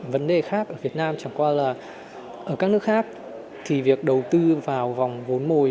vấn đề khác ở việt nam chẳng qua là ở các nước khác thì việc đầu tư vào vòng vốn mồi